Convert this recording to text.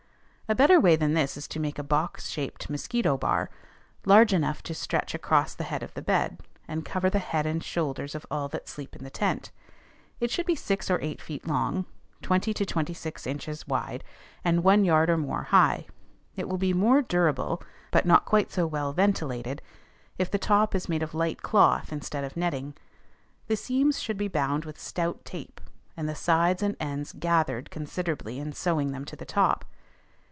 A better way than this is to make a box shaped mosquito bar, large enough to stretch across the head of the bed, and cover the heads and shoulders of all that sleep in the tent. It should be six or eight feet long, twenty to twenty six inches wide, and one yard or more high. It will be more durable, but not quite so well ventilated, if the top is made of light cloth instead of netting. The seams should be bound with stout tape, and the sides and ends "gathered" considerably in sewing them to the top.